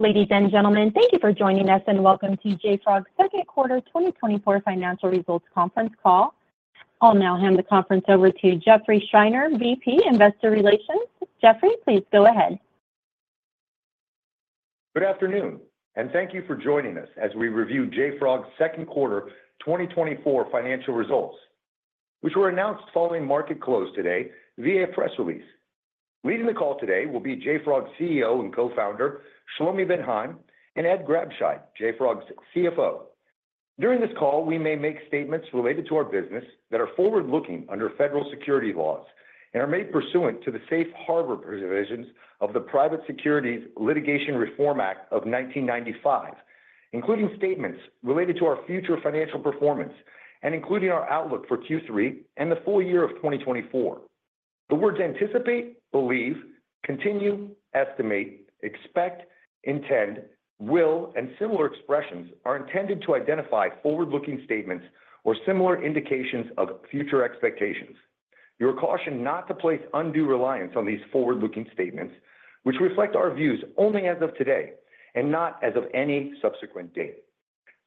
Ladies and gentlemen, thank you for joining us and welcome to JFrog's second quarter 2024 financial results conference call. I'll now hand the conference over to Jeffrey Schreiner, VP Investor Relations. Jeffrey, please go ahead. Good afternoon, and thank you for joining us as we review JFrog's second quarter 2024 financial results, which were announced following market close today via a press release. Leading the call today will be JFrog's CEO and co-founder, Shlomi Ben Haim, and Ed Grabscheid, JFrog's CFO. During this call, we may make statements related to our business that are forward-looking under federal securities laws and are made pursuant to the safe harbor provisions of the Private Securities Litigation Reform Act of 1995, including statements related to our future financial performance and including our outlook for Q3 and the full year of 2024. The words anticipate, believe, continue, estimate, expect, intend, will, and similar expressions are intended to identify forward-looking statements or similar indications of future expectations. You are cautioned not to place undue reliance on these forward-looking statements, which reflect our views only as of today and not as of any subsequent date.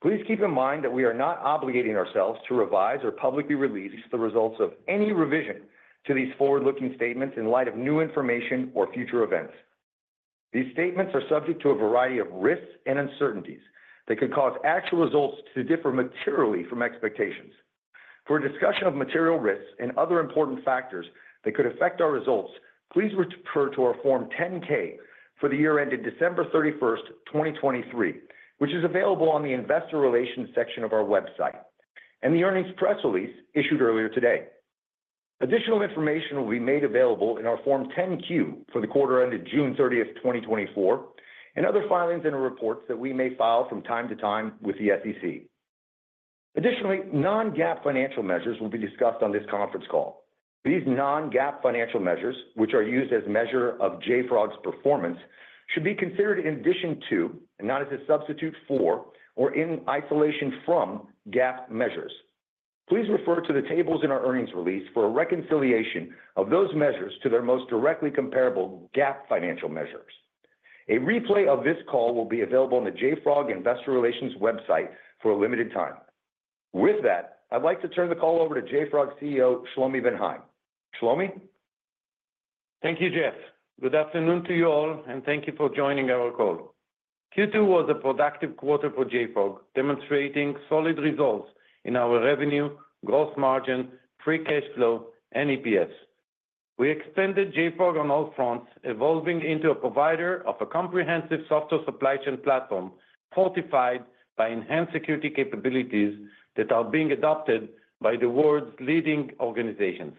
Please keep in mind that we are not obligating ourselves to revise or publicly release the results of any revision to these forward-looking statements in light of new information or future events. These statements are subject to a variety of risks and uncertainties that could cause actual results to differ materially from expectations. For a discussion of material risks and other important factors that could affect our results, please refer to our Form 10-K for the year ended December 31, 2023, which is available on the Investor Relations section of our website and the earnings press release issued earlier today. Additional information will be made available in our Form 10-Q for the quarter ended June 30, 2024, and other filings and reports that we may file from time to time with the SEC. Additionally, non-GAAP financial measures will be discussed on this conference call. These non-GAAP financial measures, which are used as a measure of JFrog's performance, should be considered in addition to, and not as a substitute for, or in isolation from GAAP measures. Please refer to the tables in our earnings release for a reconciliation of those measures to their most directly comparable GAAP financial measures. A replay of this call will be available on the JFrog Investor Relations website for a limited time. With that, I'd like to turn the call over to JFrog CEO, Shlomi Ben Haim. Shlomi? Thank you, Jeff. Good afternoon to you all, and thank you for joining our call. Q2 was a productive quarter for JFrog, demonstrating solid results in our revenue, gross margin, free cash flow, and EPS. We extended JFrog on all fronts, evolving into a provider of a comprehensive software supply chain platform fortified by enhanced security capabilities that are being adopted by the world's leading organizations.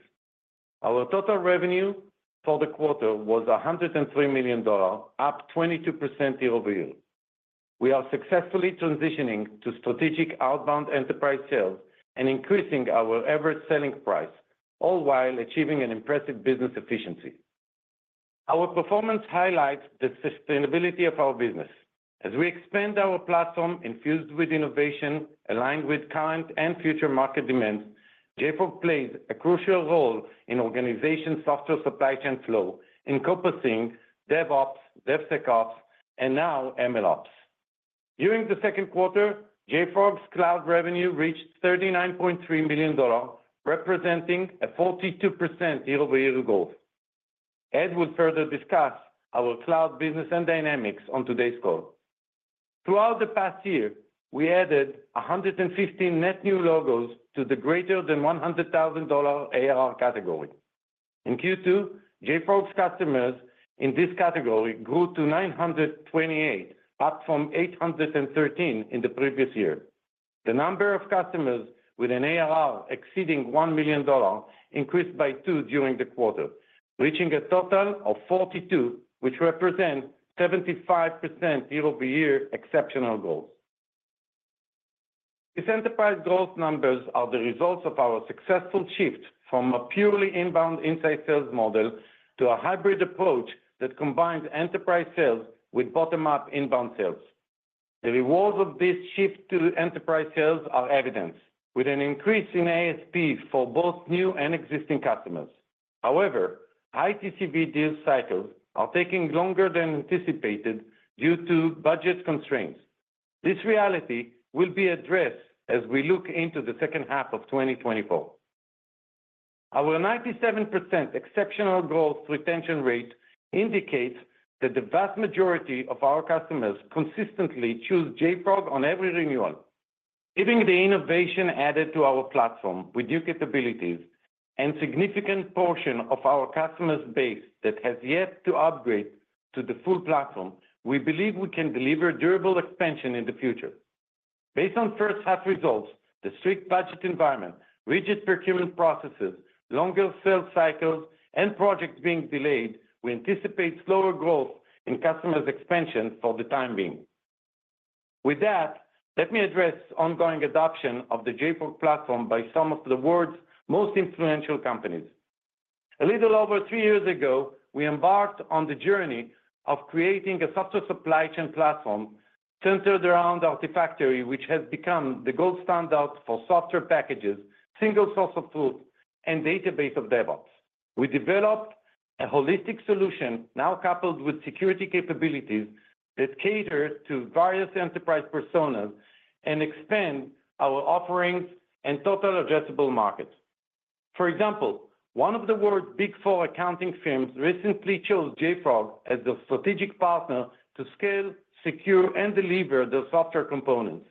Our total revenue for the quarter was $103 million, up 22% year-over-year. We are successfully transitioning to strategic outbound enterprise sales and increasing our average selling price, all while achieving an impressive business efficiency. Our performance highlights the sustainability of our business. As we expand our platform infused with innovation aligned with current and future market demands, JFrog plays a crucial role in organization's software supply chain flow, encompassing DevOps, DevSecOps, and now MLOps. During the second quarter, JFrog's cloud revenue reached $39.3 million, representing a 42% year-over-year growth. Ed will further discuss our cloud business and dynamics on today's call. Throughout the past year, we added 115 net new logos to the greater than $100,000 ARR category. In Q2, JFrog's customers in this category grew to 928, up from 813 in the previous year. The number of customers with an ARR exceeding $1 million increased by two during the quarter, reaching a total of 42, which represents 75% year-over-year exceptional growth. These enterprise growth numbers are the results of our successful shift from a purely inbound inside sales model to a hybrid approach that combines enterprise sales with bottom-up inbound sales. The rewards of this shift to enterprise sales are evident, with an increase in ASPs for both new and existing customers. However, high TCV deal cycles are taking longer than anticipated due to budget constraints. This reality will be addressed as we look into the second half of 2024. Our 97% exceptional gross retention rate indicates that the vast majority of our customers consistently choose JFrog on every renewal. Given the innovation added to our platform with new capabilities and a significant portion of our customer base that has yet to upgrade to the full platform, we believe we can deliver durable expansion in the future. Based on first-hand results, the strict budget environment, rigid procurement processes, longer sales cycles, and projects being delayed, we anticipate slower growth in customer expansion for the time being. With that, let me address ongoing adoption of the JFrog Platform by some of the world's most influential companies. A little over three years ago, we embarked on the journey of creating a software supply chain platform centered around Artifactory, which has become the gold standard for software packages, single source of truth, and database of DevOps. We developed a holistic solution now coupled with security capabilities that cater to various enterprise personas and expand our offerings and total addressable market. For example, one of the world's Big Four accounting firms recently chose JFrog as a strategic partner to scale, secure, and deliver the software components.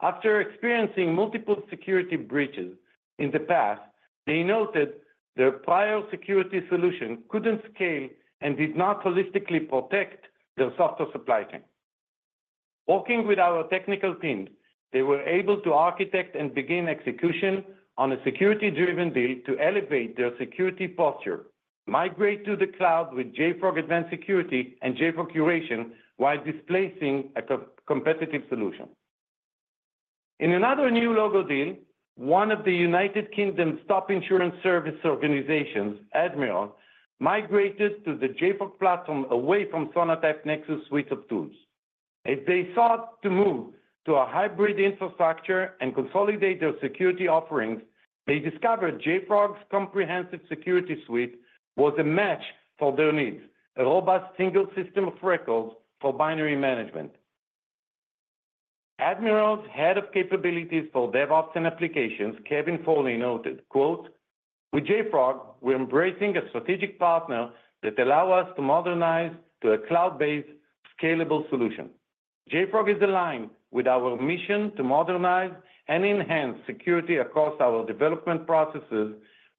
After experiencing multiple security breaches in the past, they noted their prior security solution couldn't scale and did not holistically protect their software supply chain. Working with our technical team, they were able to architect and begin execution on a security-driven deal to elevate their security posture, migrate to the cloud with JFrog Advanced Security and JFrog Curation while displacing a competitive solution. In another new logo deal, one of the United Kingdom's top insurance service organizations, Admiral, migrated to the JFrog Platform away from Sonatype Nexus suite of tools. As they sought to move to a hybrid infrastructure and consolidate their security offerings, they discovered JFrog's comprehensive security suite was a match for their needs: a robust single system of records for binary management. Admiral's head of capabilities for DevOps and applications, Kevin Foley, noted, "With JFrog, we're embracing a strategic partner that allows us to modernize to a cloud-based, scalable solution. JFrog is aligned with our mission to modernize and enhance security across our development processes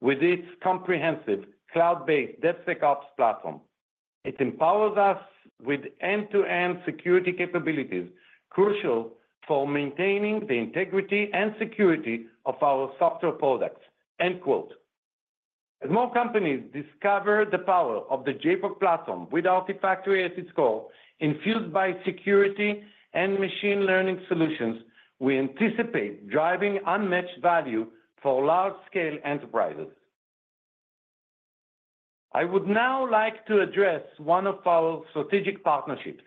with its comprehensive cloud-based DevSecOps platform. It empowers us with end-to-end security capabilities crucial for maintaining the integrity and security of our software products." As more companies discover the power of the JFrog Platform with Artifactory at its core, infused by security and machine learning solutions, we anticipate driving unmatched value for large-scale enterprises. I would now like to address one of our strategic partnerships.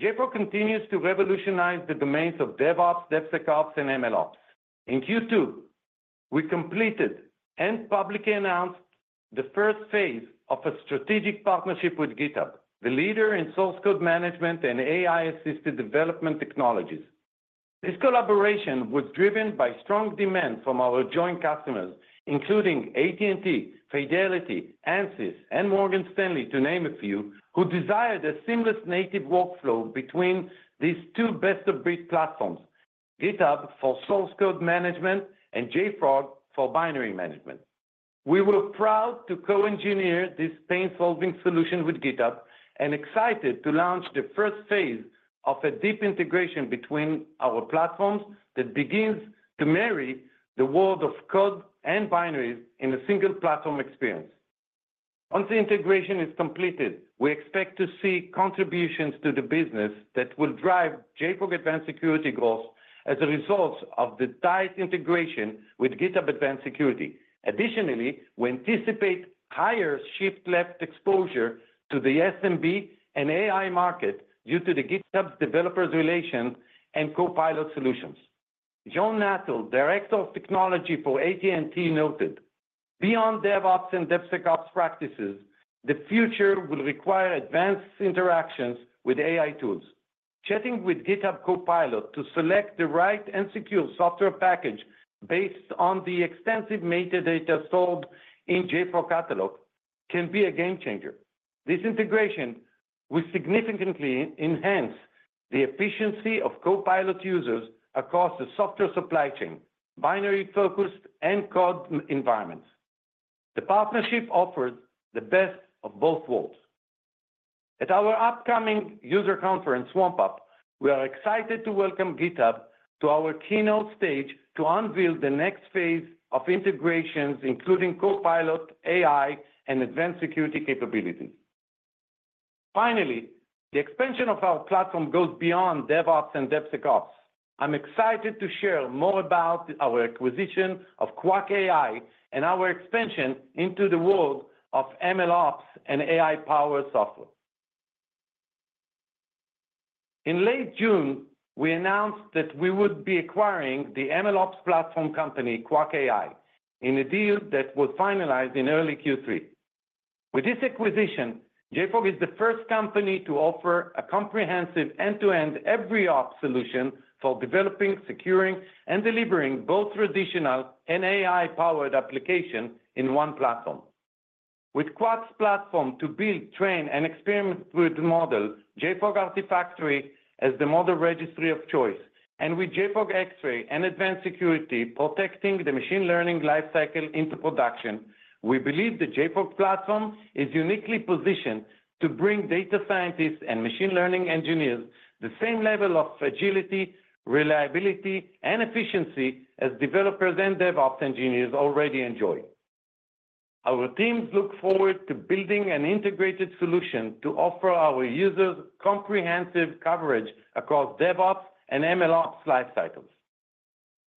JFrog continues to revolutionize the domains of DevOps, DevSecOps, and MLOps. In Q2, we completed and publicly announced the first phase of a strategic partnership with GitHub, the leader in source code management and AI-assisted development technologies. This collaboration was driven by strong demand from our joint customers, including AT&T, Fidelity, Ansys, and Morgan Stanley, to name a few, who desired a seamless native workflow between these two best-of-breed platforms: GitHub for source code management and JFrog for binary management. We were proud to co-engineer this painsolving solution with GitHub and excited to launch the first phase of a deep integration between our platforms that begins to marry the world of code and binaries in a single platform experience. Once the integration is completed, we expect to see contributions to the business that will drive JFrog Advanced Security goals as a result of the tight integration with GitHub Advanced Security. Additionally, we anticipate higher shift-left exposure to the SMB and AI market due to GitHub's Developer Relations and Copilot solutions. John Nuttle, Director of Technology for AT&T, noted, "Beyond DevOps and DevSecOps practices, the future will require advanced interactions with AI tools. Chatting with GitHub Copilot to select the right and secure software package based on the extensive metadata stored in JFrog Catalog can be a game changer. This integration will significantly enhance the efficiency of Copilot users across the software supply chain, binary-focused, and code environments. The partnership offers the best of both worlds. At our upcoming user conference, swampUP, we are excited to welcome GitHub to our keynote stage to unveil the next phase of integrations, including Copilot, AI, and Advanced Security capabilities. Finally, the expansion of our platform goes beyond DevOps and DevSecOps. I'm excited to share more about our acquisition of Qwak AI and our expansion into the world of MLOps and AI-powered software. In late June, we announced that we would be acquiring the MLOps platform company, Qwak AI, in a deal that was finalized in early Q3. With this acquisition, JFrog is the first company to offer a comprehensive end-to-end EveryOps solution for developing, securing, and delivering both traditional and AI-powered applications in one platform. With Qwak's platform to build, train, and experiment with the model, JFrog Artifactory as the model registry of choice, and with JFrog Xray and Advanced Security protecting the machine learning lifecycle into production, we believe the JFrog Platform is uniquely positioned to bring data scientists and machine learning engineers the same level of agility, reliability, and efficiency as developers and DevOps engineers already enjoy. Our teams look forward to building an integrated solution to offer our users comprehensive coverage across DevOps and MLOps lifecycles.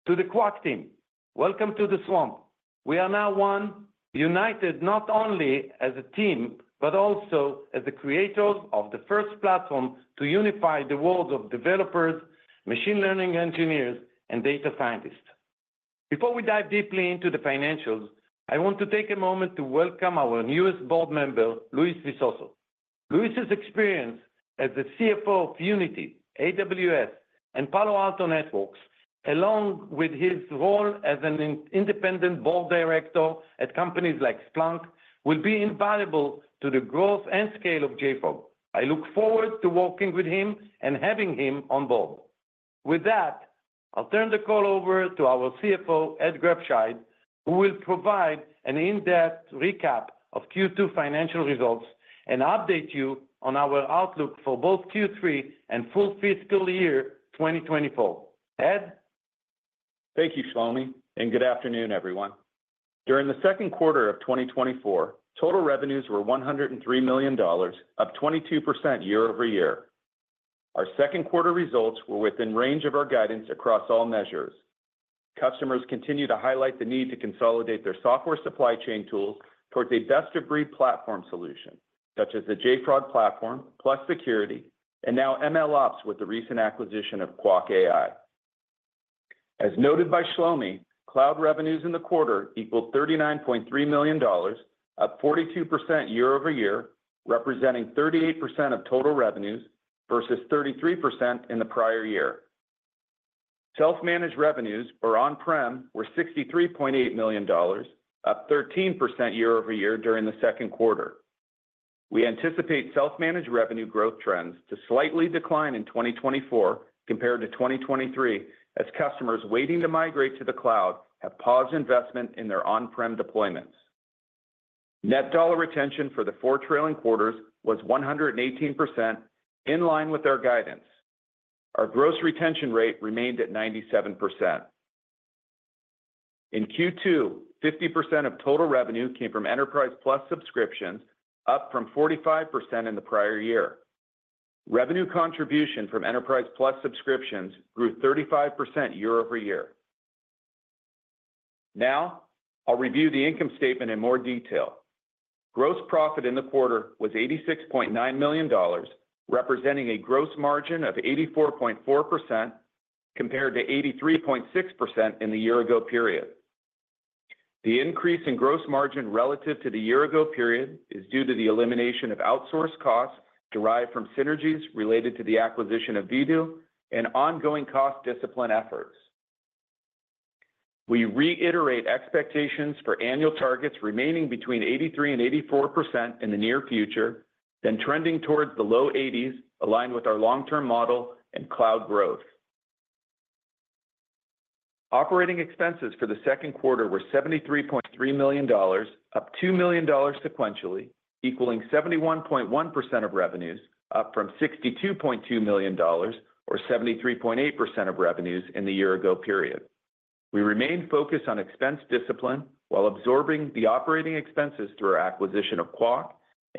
To the Qwak team, welcome to the Swamp. We are now one, united not only as a team, but also as the creators of the first platform to unify the world of developers, machine learning engineers, and data scientists. Before we dive deeply into the financials, I want to take a moment to welcome our newest board member, Luis Visoso. Luis's experience as the CFO of Unity, AWS, and Palo Alto Networks, along with his role as an independent board director at companies like Splunk, will be invaluable to the growth and scale of JFrog. I look forward to working with him and having him on board. With that, I'll turn the call over to our CFO, Ed Grabscheid, who will provide an in-depth recap of Q2 financial results and update you on our outlook for both Q3 and full fiscal year 2024. Ed? Thank you, Shlomi, and good afternoon, everyone. During the second quarter of 2024, total revenues were $103 million, up 22% year-over-year. Our second quarter results were within range of our guidance across all measures. Customers continue to highlight the need to consolidate their software supply chain tools towards a best-of-breed platform solution, such as the JFrog Platform plus security, and now MLOps with the recent acquisition of Qwak AI. As noted by Shlomi, cloud revenues in the quarter equaled $39.3 million, up 42% year-over-year, representing 38% of total revenues versus 33% in the prior year. Self-managed revenues or on-prem were $63.8 million, up 13% year-over-year during the second quarter. We anticipate self-managed revenue growth trends to slightly decline in 2024 compared to 2023, as customers waiting to migrate to the cloud have paused investment in their on-prem deployments. Net dollar retention for the four trailing quarters was 118%, in line with our guidance. Our gross retention rate remained at 97%. In Q2, 50% of total revenue came from Enterprise Plus subscriptions, up from 45% in the prior year. Revenue contribution from Enterprise Plus subscriptions grew 35% year-over-year. Now, I'll review the income statement in more detail. Gross profit in the quarter was $86.9 million, representing a gross margin of 84.4% compared to 83.6% in the year-ago period. The increase in gross margin relative to the year-ago period is due to the elimination of outsourced costs derived from synergies related to the acquisition of Vdoo and ongoing cost discipline efforts. We reiterate expectations for annual targets remaining between 83% and 84% in the near future, then trending towards the low 80s, aligned with our long-term model and cloud growth. Operating expenses for the second quarter were $73.3 million, up $2 million sequentially, equaling 71.1% of revenues, up from $62.2 million or 73.8% of revenues in the year-ago period. We remain focused on expense discipline while absorbing the operating expenses through our acquisition of Qwak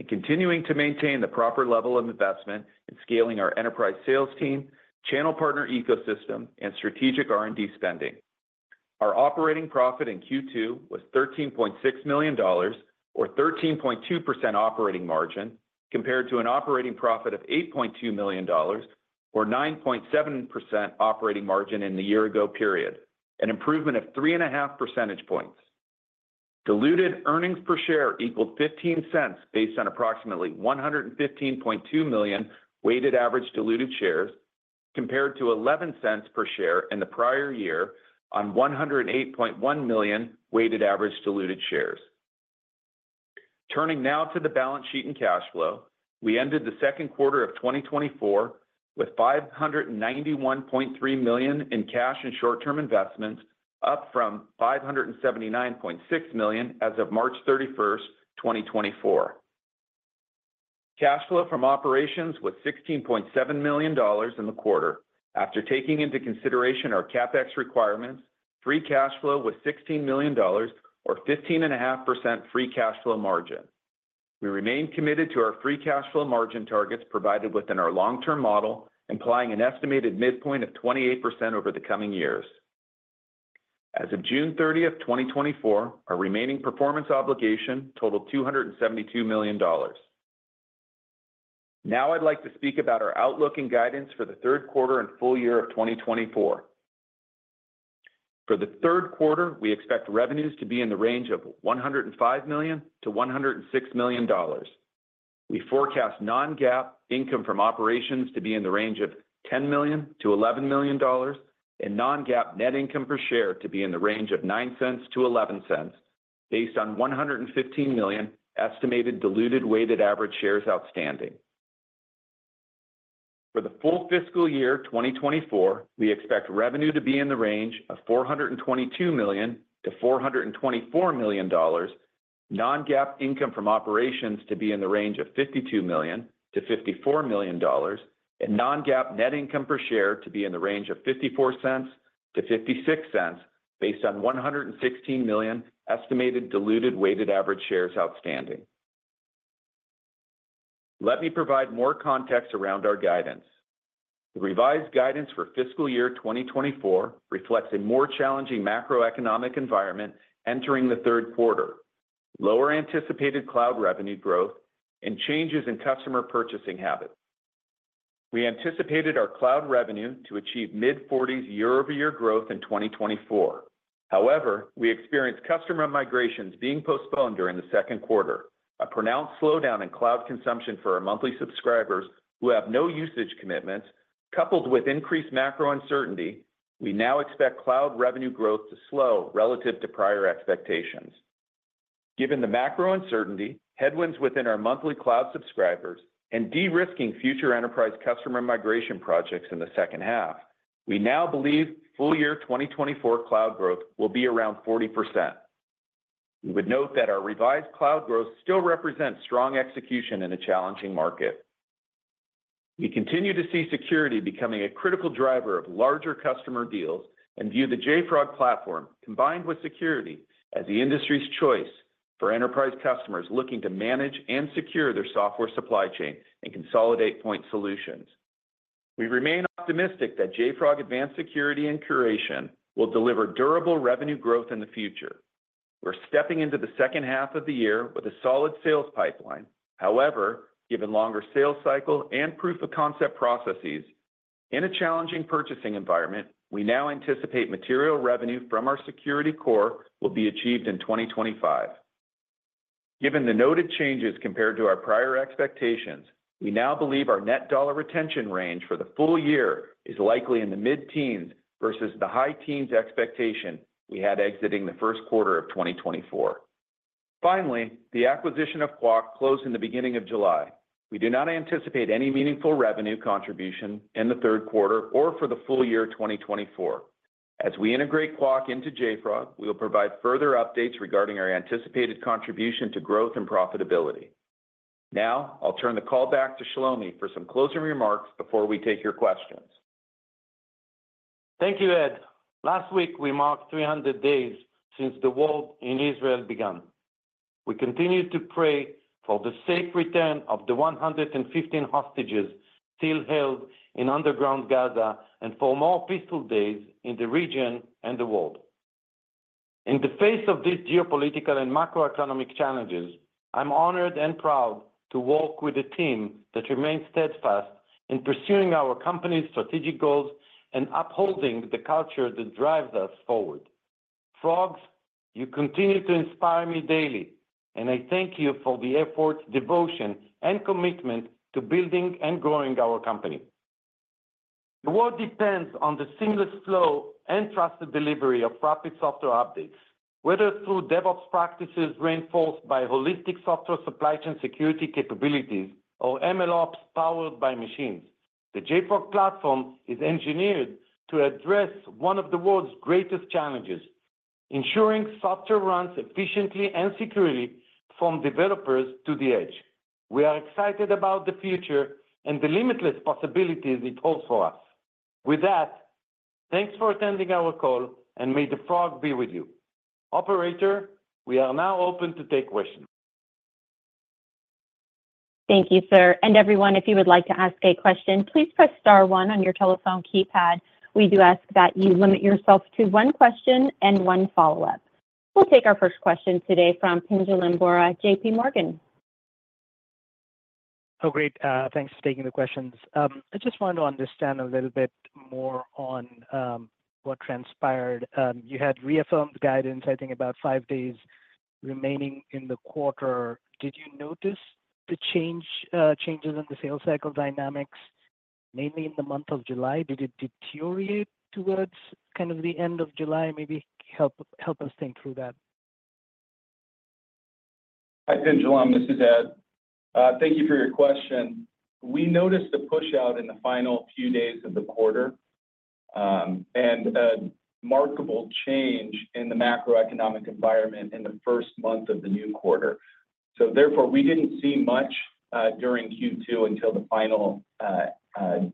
and continuing to maintain the proper level of investment in scaling our enterprise sales team, channel partner ecosystem, and strategic R&D spending. Our operating profit in Q2 was $13.6 million or 13.2% operating margin compared to an operating profit of $8.2 million or 9.7% operating margin in the year-ago period, an improvement of 3.5 percentage points. Diluted earnings per share equaled $0.15 based on approximately 115.2 million weighted average diluted shares compared to $0.11 per share in the prior year on 108.1 million weighted average diluted shares. Turning now to the balance sheet and cash flow, we ended the second quarter of 2024 with $591.3 million in cash and short-term investments, up from $579.6 million as of March 31st, 2024. Cash flow from operations was $16.7 million in the quarter. After taking into consideration our CapEx requirements, free cash flow was $16 million or 15.5% free cash flow margin. We remain committed to our free cash flow margin targets provided within our long-term model, implying an estimated midpoint of 28% over the coming years. As of June 30th, 2024, our remaining performance obligation totaled $272 million. Now, I'd like to speak about our outlook and guidance for the third quarter and full year of 2024. For the third quarter, we expect revenues to be in the range of $105 million-$106 million. We forecast non-GAAP income from operations to be in the range of $10 million-$11 million, and non-GAAP net income per share to be in the range of $0.09-$0.11, based on 115 million estimated diluted weighted average shares outstanding. For the full fiscal year 2024, we expect revenue to be in the range of $422 million-$424 million, non-GAAP income from operations to be in the range of $52 million-$54 million, and non-GAAP net income per share to be in the range of $0.54-$0.56, based on 116 million estimated diluted weighted average shares outstanding. Let me provide more context around our guidance. The revised guidance for fiscal year 2024 reflects a more challenging macroeconomic environment entering the third quarter, lower anticipated cloud revenue growth, and changes in customer purchasing habits. We anticipated our cloud revenue to achieve mid-40s year-over-year growth in 2024. However, we experienced customer migrations being postponed during the second quarter, a pronounced slowdown in cloud consumption for our monthly subscribers who have no usage commitments. Coupled with increased macro uncertainty, we now expect cloud revenue growth to slow relative to prior expectations. Given the macro uncertainty, headwinds within our monthly cloud subscribers, and de-risking future enterprise customer migration projects in the second half, we now believe full year 2024 cloud growth will be around 40%. We would note that our revised cloud growth still represents strong execution in a challenging market. We continue to see security becoming a critical driver of larger customer deals and view the JFrog Platform, combined with security, as the industry's choice for enterprise customers looking to manage and secure their software supply chain and consolidate point solutions. We remain optimistic that JFrog Advanced Security and Curation will deliver durable revenue growth in the future. We're stepping into the second half of the year with a solid sales pipeline. However, given longer sales cycle and proof of concept processes, in a challenging purchasing environment, we now anticipate material revenue from our security core will be achieved in 2025. Given the noted changes compared to our prior expectations, we now believe our net dollar retention range for the full year is likely in the mid-teens versus the high teens expectation we had exiting the first quarter of 2024. Finally, the acquisition of Qwak closed in the beginning of July. We do not anticipate any meaningful revenue contribution in the third quarter or for the full year 2024. As we integrate Qwak into JFrog, we will provide further updates regarding our anticipated contribution to growth and profitability. Now, I'll turn the call back to Shlomi for some closing remarks before we take your questions. Thank you, Ed. Last week, we marked 300 days since the war in Israel began. We continue to pray for the safe return of the 115 hostages still held in underground Gaza and for more peaceful days in the region and the world. In the face of these geopolitical and macroeconomic challenges, I'm honored and proud to walk with a team that remains steadfast in pursuing our company's strategic goals and upholding the culture that drives us forward. Qwak, you continue to inspire me daily, and I thank you for the effort, devotion, and commitment to building and growing our company. The world depends on the seamless flow and trusted delivery of rapid software updates, whether through DevOps practices reinforced by holistic software supply chain security capabilities or MLOps powered by machines. The JFrog Platform is engineered to address one of the world's greatest challenges, ensuring software runs efficiently and securely from developers to the edge. We are excited about the future and the limitless possibilities it holds for us. With that, thanks for attending our call, and may the Frog be with you. Operator, we are now open to take questions. Thank you, sir. Everyone, if you would like to ask a question, please press star one on your telephone keypad. We do ask that you limit yourself to one question and one follow-up. We'll take our first question today from Pinjalim Bora, JPMorgan. Oh, great. Thanks for taking the questions. I just wanted to understand a little bit more on what transpired. You had reaffirmed guidance, I think, about five days remaining in the quarter. Did you notice the changes in the sales cycle dynamics, mainly in the month of July? Did it deteriorate towards kind of the end of July? Maybe help us think through that. Hi, Pinjalim. This is Ed. Thank you for your question. We noticed a push-out in the final few days of the quarter and a remarkable change in the macroeconomic environment in the first month of the new quarter. So therefore, we didn't see much during Q2 until the final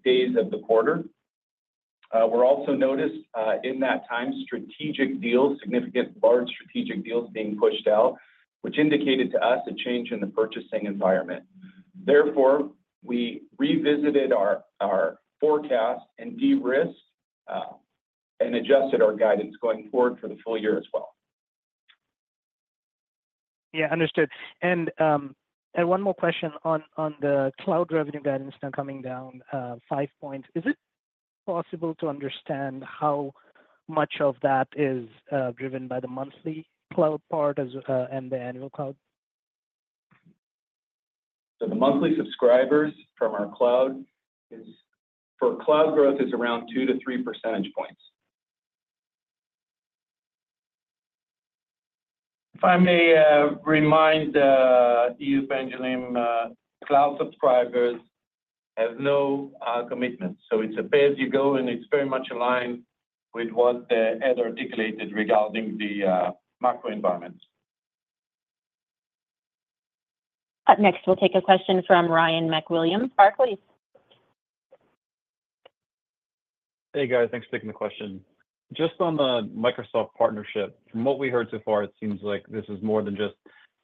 days of the quarter. We also noticed in that time, strategic deals, significant large strategic deals being pushed out, which indicated to us a change in the purchasing environment. Therefore, we revisited our forecast and de-risked and adjusted our guidance going forward for the full year as well. Yeah, understood. One more question on the cloud revenue guidance now coming down 5 points. Is it possible to understand how much of that is driven by the monthly cloud part and the annual cloud? The monthly subscribers from our cloud for cloud growth is around 2-3 percentage points. If I may remind you, Pinjalim, cloud subscribers have no commitments. So it's a pay-as-you-go, and it's very much aligned with what Ed articulated regarding the macro environment. Up next, we'll take a question from Ryan MacWilliams, please. Hey, guys. Thanks for taking the question. Just on the Microsoft partnership, from what we heard so far, it seems like this is more than just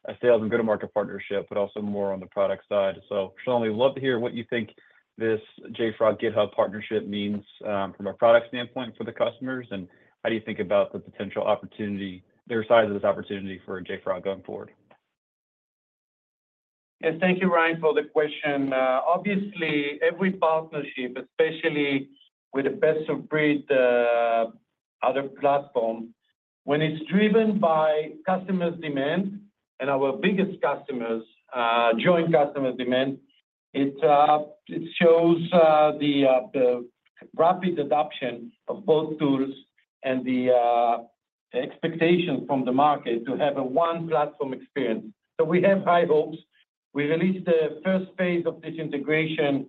a sales and go-to-market partnership, but also more on the product side. So Shlomi, we'd love to hear what you think this JFrog GitHub partnership means from a product standpoint for the customers, and how do you think about the potential opportunity, the size of this opportunity for JFrog going forward? Yeah, thank you, Ryan, for the question. Obviously, every partnership, especially with the best-of-breed other platforms, when it's driven by customer demand and our biggest customers' joint customer demand, it shows the rapid adoption of both tools and the expectation from the market to have a one-platform experience. So we have high hopes. We released the first phase of this integration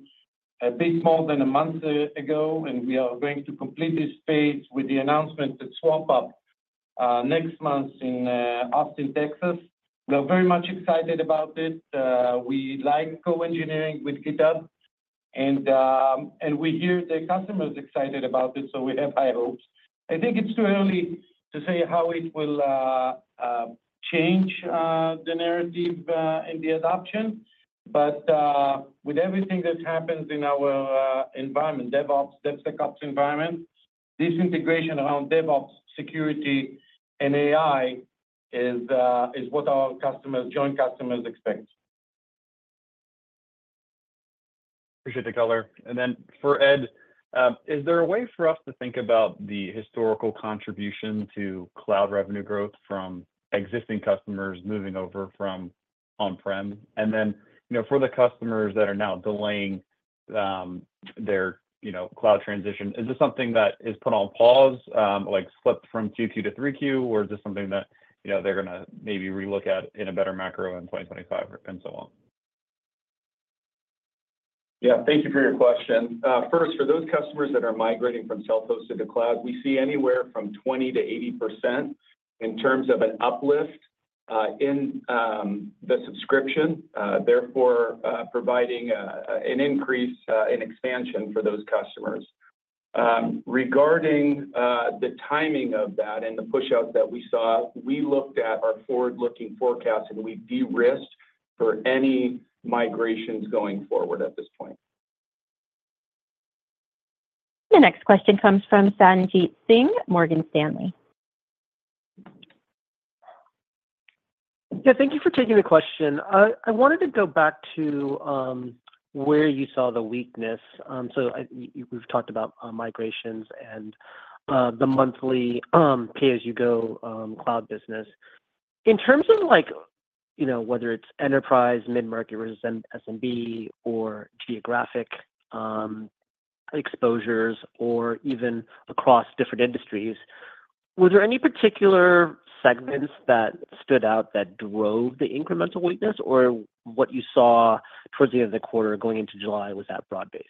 a bit more than a month ago, and we are going to complete this phase with the announcement to swampUP next month in Austin, Texas. We're very much excited about it. We like co-engineering with GitHub, and we hear the customers are excited about it, so we have high hopes. I think it's too early to say how it will change the narrative and the adoption, but with everything that happens in our environment, DevOps, DevSecOps environment, this integration around DevOps, security, and AI is what our customers, joint customers, expect. Appreciate the color. And then for Ed, is there a way for us to think about the historical contribution to cloud revenue growth from existing customers moving over from on-prem? And then for the customers that are now delaying their cloud transition, is this something that is put on pause, like slipped from Q2 to 3Q, or is this something that they're going to maybe relook at in a better macro in 2025 and so on? Yeah, thank you for your question. First, for those customers that are migrating from self-hosted to cloud, we see anywhere from 20%-80% in terms of an uplift in the subscription, therefore providing an increase in expansion for those customers. Regarding the timing of that and the push-outs that we saw, we looked at our forward-looking forecast, and we de-risked for any migrations going forward at this point. The next question comes from Sanjit Singh, Morgan Stanley. Yeah, thank you for taking the question. I wanted to go back to where you saw the weakness. So we've talked about migrations and the monthly pay-as-you-go cloud business. In terms of whether it's enterprise, mid-market, versus SMB, or geographic exposures, or even across different industries, were there any particular segments that stood out that drove the incremental weakness, or what you saw towards the end of the quarter going into July was that broad-based?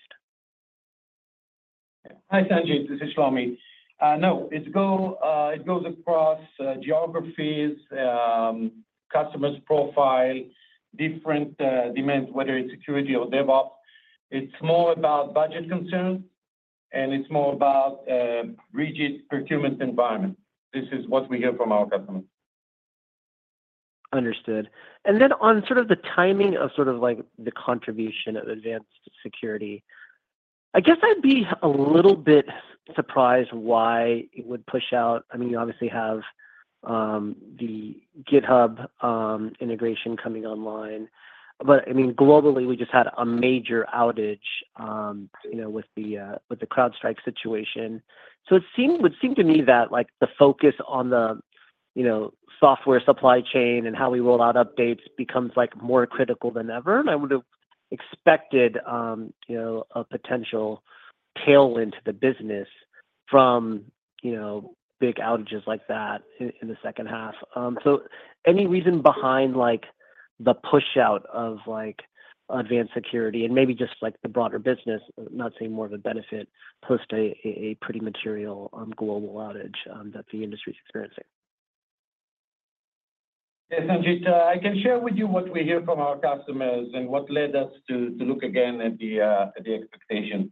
Hi, Sanjit. This is Shlomi. No, it goes across geographies, customer's profile, different demands, whether it's security or DevOps. It's more about budget concerns, and it's more about a rigid procurement environment. This is what we hear from our customers. Understood. And then on sort of the timing of sort of the contribution of Advanced Security, I guess I'd be a little bit surprised why it would push out. I mean, you obviously have the GitHub integration coming online. But I mean, globally, we just had a major outage with the CrowdStrike situation. So it would seem to me that the focus on the software supply chain and how we roll out updates becomes more critical than ever. And I would have expected a potential tailwind to the business from big outages like that in the second half. So any reason behind the push-out of Advanced Security and maybe just the broader business, not seeing more of a benefit post a pretty material global outage that the industry is experiencing? Yes, Sanjit. I can share with you what we hear from our customers and what led us to look again at the expectation.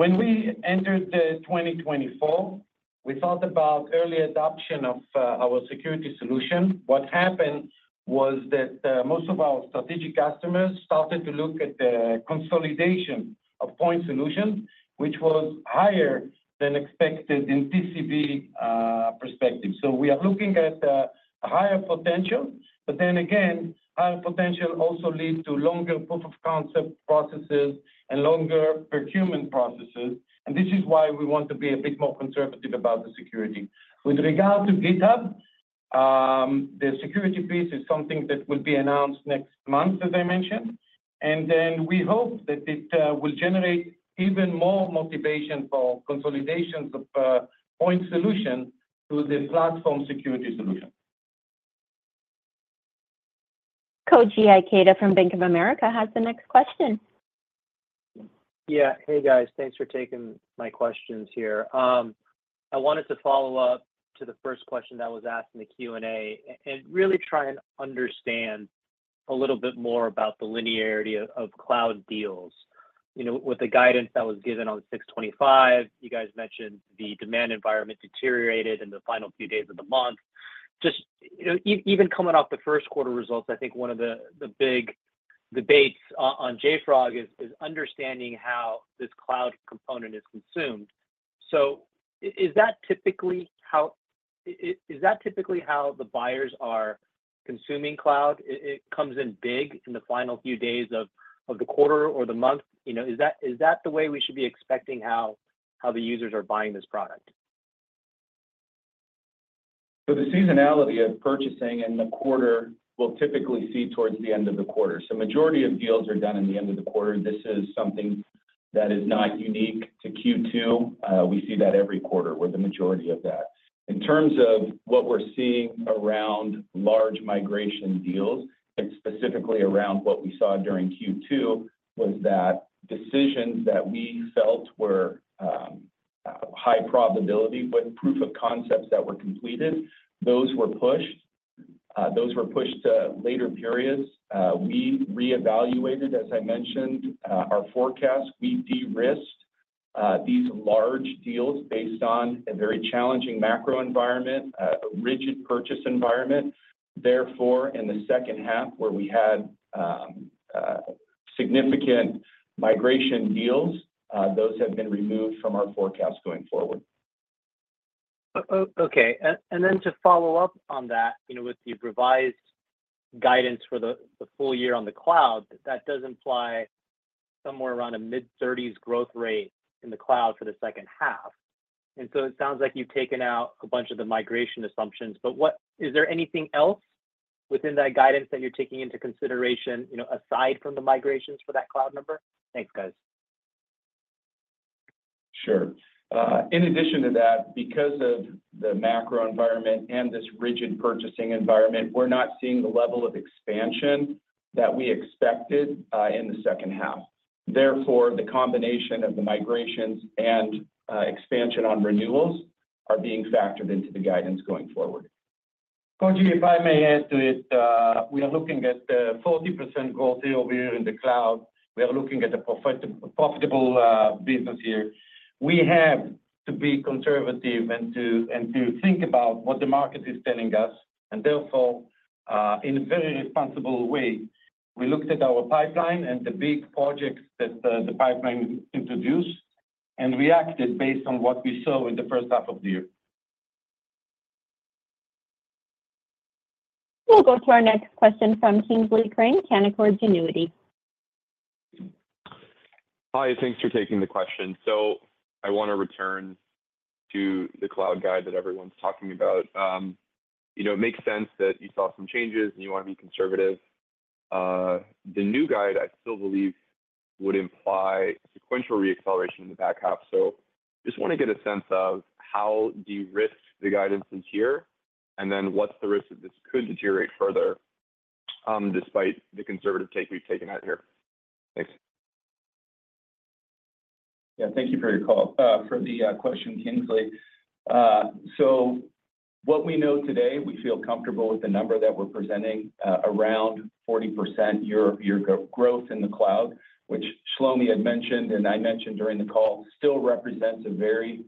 When we entered 2024, we thought about early adoption of our security solution. What happened was that most of our strategic customers started to look at the consolidation of point solutions, which was higher than expected in SaaS perspective. So we are looking at a higher potential, but then again, higher potential also leads to longer proof of concept processes and longer procurement processes. And this is why we want to be a bit more conservative about the security. With regard to GitHub, the security piece is something that will be announced next month, as I mentioned. And then we hope that it will generate even more motivation for consolidations of point solutions to the platform security solution. Koji Ikeda from Bank of America has the next question. Yeah, hey, guys. Thanks for taking my questions here. I wanted to follow up to the first question that was asked in the Q&A and really try and understand a little bit more about the linearity of cloud deals. With the guidance that was given on 6/25, you guys mentioned the demand environment deteriorated in the final few days of the month. Just even coming off the first quarter results, I think one of the big debates on JFrog is understanding how this cloud component is consumed. So is that typically how the buyers are consuming cloud? It comes in big in the final few days of the quarter or the month. Is that the way we should be expecting how the users are buying this product? So the seasonality of purchasing in the quarter will typically see towards the end of the quarter. So the majority of deals are done in the end of the quarter. This is something that is not unique to Q2. We see that every quarter where the majority of that. In terms of what we're seeing around large migration deals, and specifically around what we saw during Q2, was that decisions that we felt were high probability with proof of concepts that were completed, those were pushed. Those were pushed to later periods. We reevaluated, as I mentioned, our forecast. We de-risked these large deals based on a very challenging macro environment, a rigid purchase environment. Therefore, in the second half where we had significant migration deals, those have been removed from our forecast going forward. Okay. And then to follow up on that, with the revised guidance for the full year on the cloud, that does imply somewhere around a mid-30s growth rate in the cloud for the second half. And so it sounds like you've taken out a bunch of the migration assumptions, but is there anything else within that guidance that you're taking into consideration aside from the migrations for that cloud number? Thanks, guys. Sure. In addition to that, because of the macro environment and this rigid purchasing environment, we're not seeing the level of expansion that we expected in the second half. Therefore, the combination of the migrations and expansion on renewals are being factored into the guidance going forward. Koji, if I may add to it, we are looking at the 40% growth over here in the cloud. We are looking at a profitable business here. We have to be conservative and to think about what the market is telling us. And therefore, in a very responsible way, we looked at our pipeline and the big projects that the pipeline introduced and reacted based on what we saw in the first half of the year. We'll go to our next question from Kingsley Crane, Canaccord Genuity. Hi, thanks for taking the question. So I want to return to the cloud guidance that everyone's talking about. It makes sense that you saw some changes and you want to be conservative. The new guidance, I still believe, would imply sequential re-acceleration in the back half. So I just want to get a sense of how de-risked the guidance is here and then what's the risk that this could deteriorate further despite the conservative take we've taken out here. Thanks. Yeah, thank you for the question, Kingsley. So what we know today, we feel comfortable with the number that we're presenting, around 40% year-over-year growth in the cloud, which Shlomi had mentioned, and I mentioned during the call, still represents a very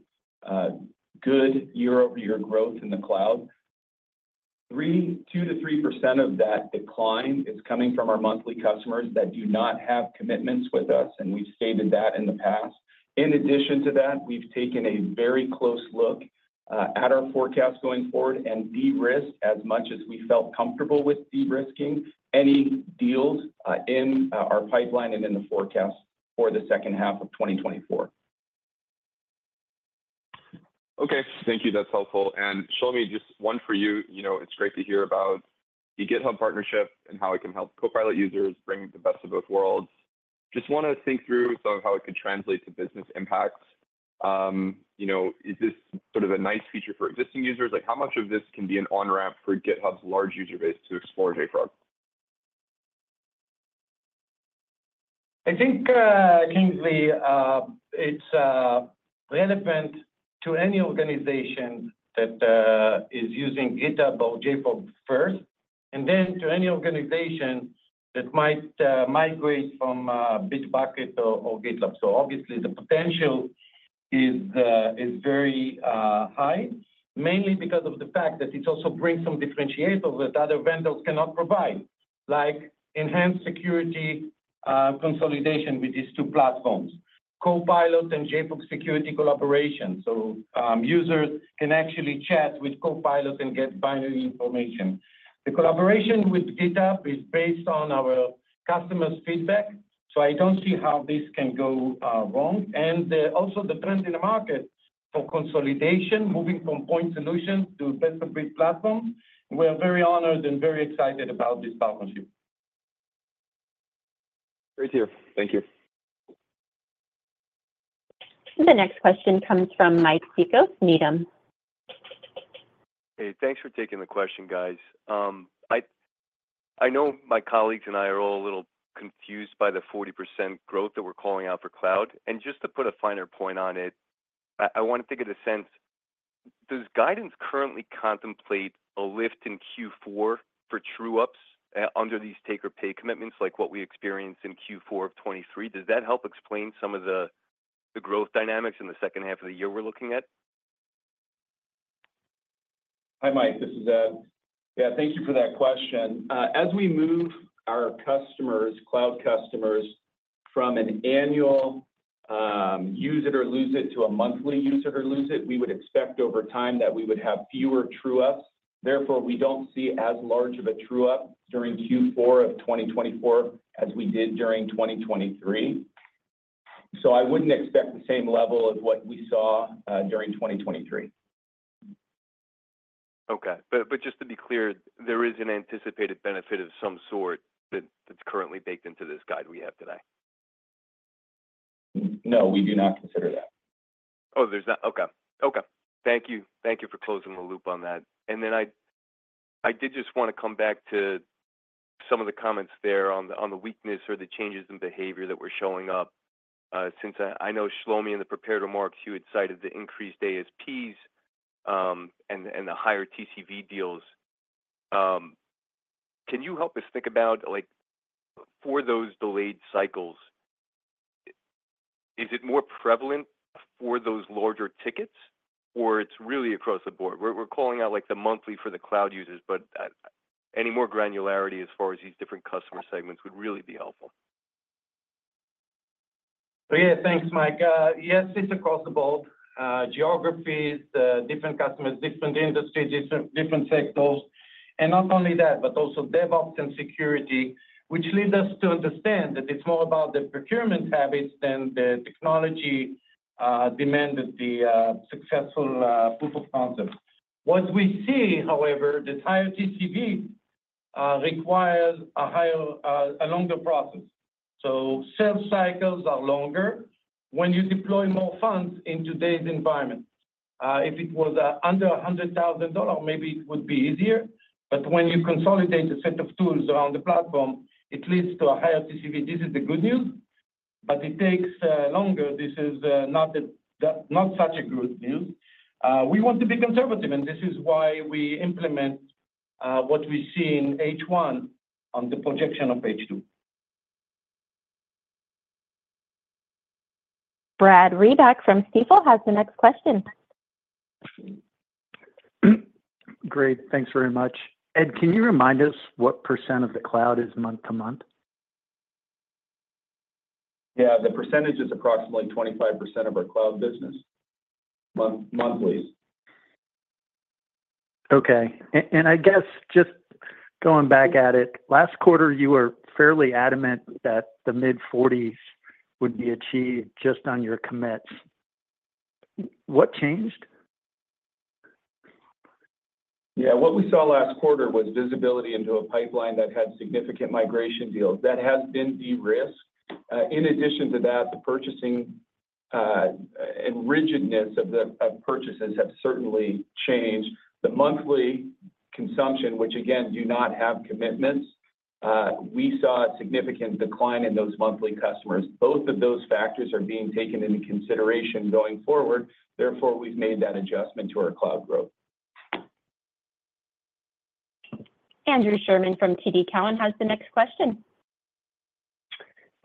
good year-over-year growth in the cloud. 2%-3% of that decline is coming from our monthly customers that do not have commitments with us, and we've stated that in the past. In addition to that, we've taken a very close look at our forecast going forward and de-risked as much as we felt comfortable with de-risking any deals in our pipeline and in the forecast for the second half of 2024. Okay, thank you. That's helpful. And Shlomi, just one for you. It's great to hear about the GitHub partnership and how it can help Copilot users bring the best of both worlds. Just want to think through how it could translate to business impacts. Is this sort of a nice feature for existing users? How much of this can be an on-ramp for GitHub's large user base to explore JFrog? I think, Kingsley, it's relevant to any organization that is using GitHub or JFrog first, and then to any organization that might migrate from Bitbucket or GitLab. So obviously, the potential is very high, mainly because of the fact that it also brings some differentiators that other vendors cannot provide, like enhanced security consolidation with these two platforms, Copilot and JFrog security collaboration. So users can actually chat with Copilot and get binary information. The collaboration with GitHub is based on our customers' feedback. So I don't see how this can go wrong. And also the trend in the market for consolidation, moving from point solutions to best-of-breed platforms. We are very honored and very excited about this partnership. Great to hear. Thank you. The next question comes from Mike Cikos, Needham. Hey, thanks for taking the question, guys. I know my colleagues and I are all a little confused by the 40% growth that we're calling out for cloud. And just to put a finer point on it, I want to think in a sense, does guidance currently contemplate a lift in Q4 for true-ups under these take-or-pay commitments like what we experienced in Q4 of 2023? Does that help explain some of the growth dynamics in the second half of the year we're looking at? Hi, Mike. This is Ed. Yeah, thank you for that question. As we move our customers, cloud customers, from an annual use-it-or-lose-it to a monthly use-it-or-lose-it, we would expect over time that we would have fewer true-ups. Therefore, we don't see as large of a true-up during Q4 of 2024 as we did during 2023. So I wouldn't expect the same level of what we saw during 2023. Okay. But just to be clear, there is an anticipated benefit of some sort that's currently baked into this guide we have today? No, we do not consider that. Oh, there's not. Okay. Okay. Thank you. Thank you for closing the loop on that. And then I did just want to come back to some of the comments there on the weakness or the changes in behavior that were showing up. Since I know Shlomi in the prepared remarks, you had cited the increased ASPs and the higher TCV deals. Can you help us think about for those delayed cycles, is it more prevalent for those larger tickets, or it's really across the board? We're calling out the monthly for the cloud users, but any more granularity as far as these different customer segments would really be helpful. Yeah, thanks, Mike. Yes, it's across the board. Geographies, different customers, different industries, different sectors. And not only that, but also DevOps and security, which leads us to understand that it's more about the procurement habits than the technology demanded the successful proof of concept. What we see, however, this higher TCV requires a longer process. So sales cycles are longer when you deploy more funds in today's environment. If it was under $100,000, maybe it would be easier. But when you consolidate a set of tools around the platform, it leads to a higher TCV. This is the good news, but it takes longer. This is not such a good news. We want to be conservative, and this is why we implement what we see in H1 on the projection of H2. Brad Reback from Stifel has the next question. Great. Thanks very much. Ed, can you remind us what % of the cloud is month-to-month? Yeah, the percentage is approximately 25% of our cloud business monthly. Okay. And I guess just going back at it, last quarter, you were fairly adamant that the mid-40s would be achieved just on your commits. What changed? Yeah, what we saw last quarter was visibility into a pipeline that had significant migration deals. That has been de-risked. In addition to that, the purchasing and rigidness of purchases have certainly changed. The monthly consumption, which again, do not have commitments, we saw a significant decline in those monthly customers. Both of those factors are being taken into consideration going forward. Therefore, we've made that adjustment to our cloud growth. Andrew Sherman from TD Cowen has the next question.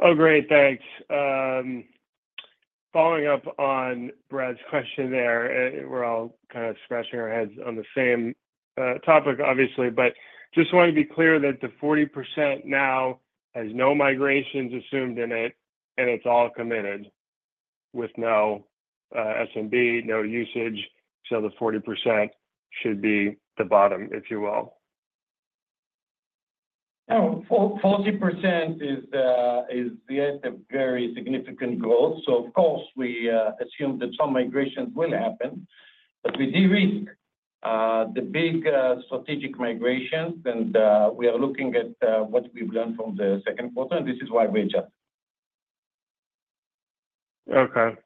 Oh, great. Thanks. Following up on Brad's question there, we're all kind of scratching our heads on the same topic, obviously, but just want to be clear that the 40% now has no migrations assumed in it, and it's all committed with no SMB, no usage. So the 40% should be the bottom, if you will. Oh, 40% is yet a very significant goal. So of course, we assume that some migrations will happen, but we de-risk the big strategic migrations, and we are looking at what we've learned from the second quarter, and this is why we adjusted. Okay.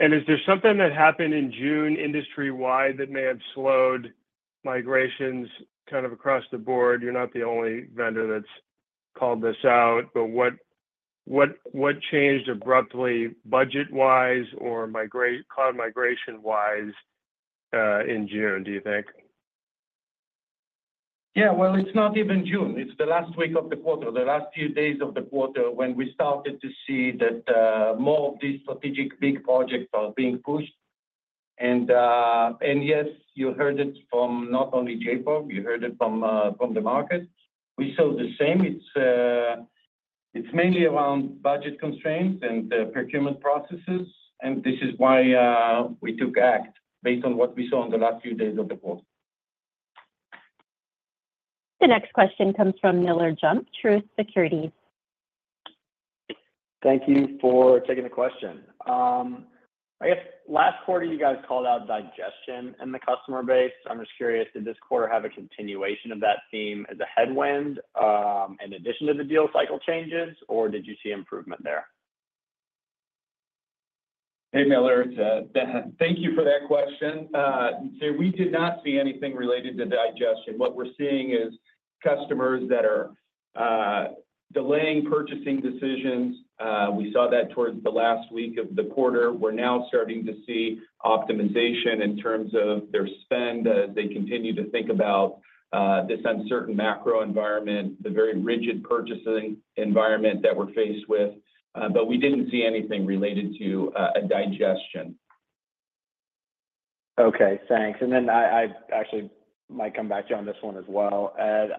And is there something that happened in June industry-wide that may have slowed migrations kind of across the board? You're not the only vendor that's called this out, but what changed abruptly budget-wise or cloud migration-wise in June, do you think? Yeah, well, it's not even June. It's the last week of the quarter, the last few days of the quarter, when we started to see that more of these strategic big projects are being pushed. And yes, you heard it from not only JFrog, you heard it from the market. We saw the same. It's mainly around budget constraints and procurement processes, and this is why we took action based on what we saw in the last few days of the quarter. The next question comes from Miller Jump, Truist Securities. Thank you for taking the question. I guess last quarter, you guys called out digestion in the customer base. I'm just curious, did this quarter have a continuation of that theme as a headwind in addition to the deal cycle changes, or did you see improvement there? Hey, Miller. Thank you for that question. So we did not see anything related to digestion. What we're seeing is customers that are delaying purchasing decisions. We saw that towards the last week of the quarter. We're now starting to see optimization in terms of their spend as they continue to think about this uncertain macro environment, the very rigid purchasing environment that we're faced with. But we didn't see anything related to a digestion. Okay. Thanks. And then I actually might come back to you on this one as well. Ed,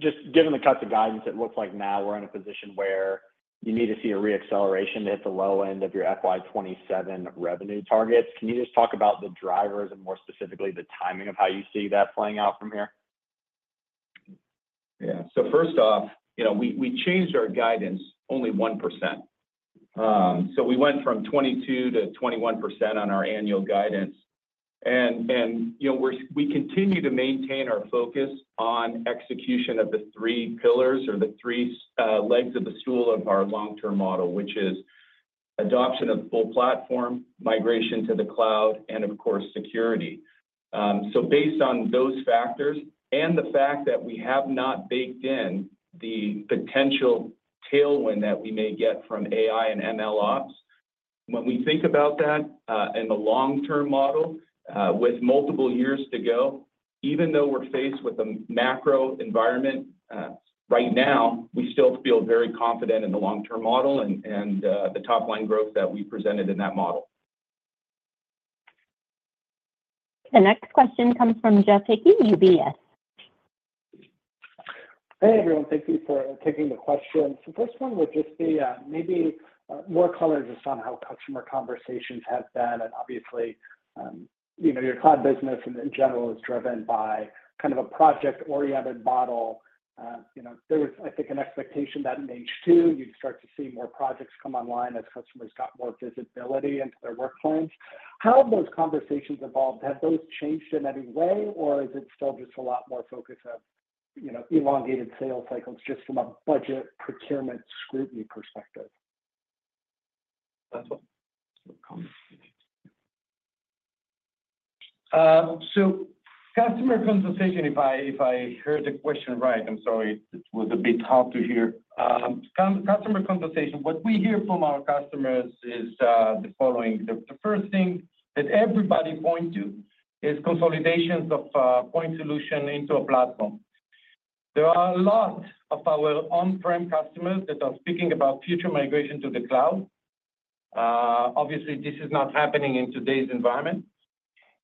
just given the cuts of guidance, it looks like now we're in a position where you need to see a re-acceleration to hit the low end of your FY27 revenue targets. Can you just talk about the drivers and more specifically the timing of how you see that playing out from here? Yeah. So first off, we changed our guidance only 1%. So we went from 22% to 21% on our annual guidance. We continue to maintain our focus on execution of the three pillars or the three legs of the stool of our long-term model, which is adoption of full platform, migration to the cloud, and of course, security. So based on those factors and the fact that we have not baked in the potential tailwind that we may get from AI and MLOps, when we think about that in the long-term model with multiple years to go, even though we're faced with a macro environment right now, we still feel very confident in the long-term model and the top-line growth that we presented in that model. The next question comes from Jeff Kvaal, UBS. Hey, everyone. Thank you for taking the question. So the first one would just be maybe more color just on how customer conversations have been. And obviously, your cloud business in general is driven by kind of a project-oriented model. There was, I think, an expectation that in H2, you'd start to see more projects come online as customers got more visibility into their work plans. How have those conversations evolved? Have those changed in any way, or is it still just a lot more focus of elongated sales cycles just from a budget procurement scrutiny perspective? So, customer conversation, if I heard the question right, I'm sorry, it would be tough to hear. Customer conversation, what we hear from our customers is the following. The first thing that everybody points to is consolidations of point solutions into a platform. There are a lot of our on-prem customers that are speaking about future migration to the cloud. Obviously, this is not happening in today's environment.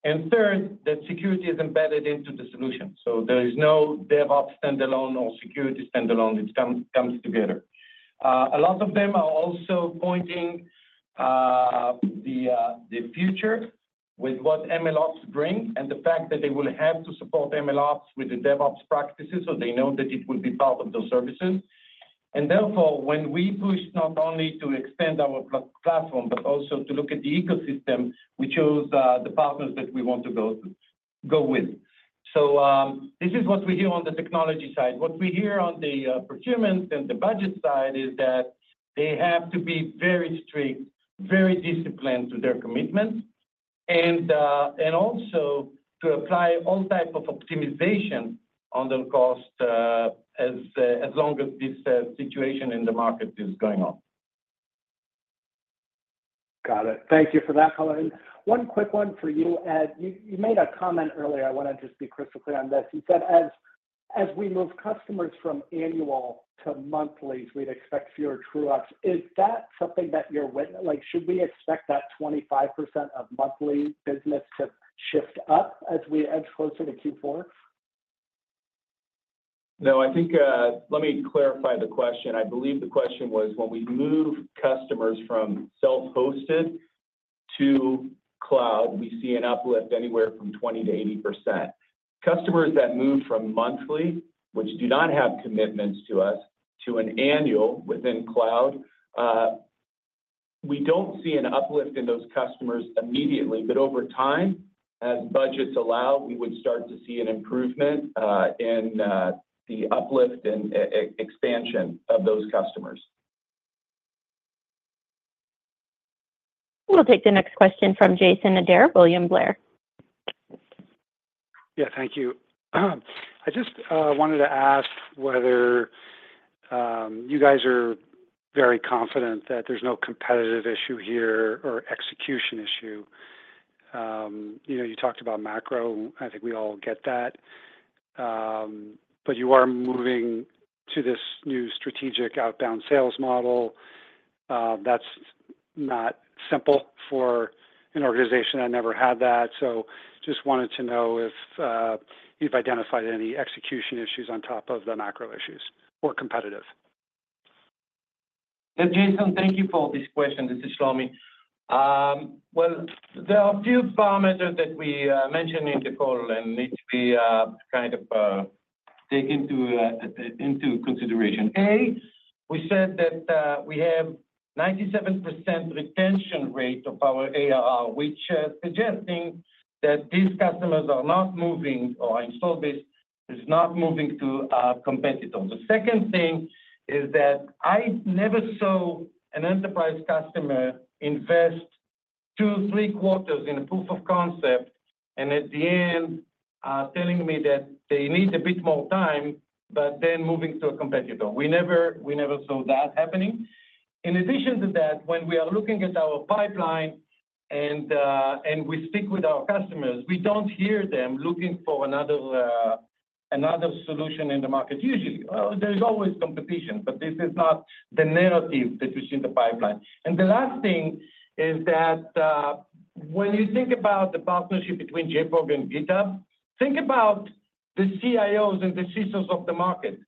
And third, that security is embedded into the solution. So there is no DevOps standalone or security standalone. It comes together. A lot of them are also pointing to the future with what MLOps brings and the fact that they will have to support MLOps with the DevOps practices, so they know that it will be part of those services. Therefore, when we push not only to extend our platform, but also to look at the ecosystem, we chose the partners that we want to go with. This is what we hear on the technology side. What we hear on the procurement and the budget side is that they have to be very strict, very disciplined to their commitments, and also to apply all types of optimization on the cost as long as this situation in the market is going on. Got it. Thank you for that, Colin. One quick one for you, Ed. You made a comment earlier. I want to just be crystal clear on this. You said as we move customers from annual to monthly, we'd expect fewer true-ups. Is that something that you're witnessing? Should we expect that 25% of monthly business to shift up as we edge closer to Q4? No, I think let me clarify the question. I believe the question was when we move customers from self-hosted to cloud, we see an uplift anywhere from 20%-80%. Customers that move from monthly, which do not have commitments to us, to an annual within cloud, we don't see an uplift in those customers immediately, but over time, as budgets allow, we would start to see an improvement in the uplift and expansion of those customers. We'll take the next question from Jason Ader, William Blair. Yeah, thank you. I just wanted to ask whether you guys are very confident that there's no competitive issue here or execution issue. You talked about macro. I think we all get that. But you are moving to this new strategic outbound sales model. That's not simple for an organization. I never had that. So just wanted to know if you've identified any execution issues on top of the macro issues or competitive. Jason, thank you for this question. This is Shlomi. Well, there are a few parameters that we mentioned in the call and need to be kind of taken into consideration. A, we said that we have 97% retention rate of our ARR, which is suggesting that these customers are not moving or installed base is not moving to competitors. The second thing is that I never saw an enterprise customer invest 2, 3 quarters in a proof of concept and at the end telling me that they need a bit more time, but then moving to a competitor. We never saw that happening. In addition to that, when we are looking at our pipeline and we speak with our customers, we don't hear them looking for another solution in the market. Usually, there's always competition, but this is not the narrative that we see in the pipeline. And the last thing is that when you think about the partnership between JFrog and GitHub, think about the CIOs and the CISOs of the market.